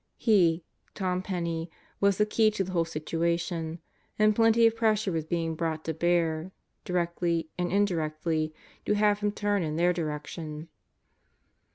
He, Tom Penney, was the key to the whole situation, and plenty of pressure was being brought to bear, directly and in directly, to have him turn in their direction.